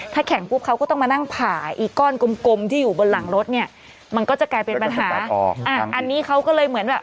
ถ้าแข่งปุ๊บเขาก็ต้องมานั่งผ่าอีกก้อนกลมกลมที่อยู่บนหลังรถเนี่ยมันก็จะกลายเป็นปัญหาอันนี้เขาก็เลยเหมือนแบบ